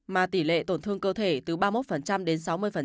mà tỷ lệ tổn thương cơ thể từ ba mươi một đến sáu mươi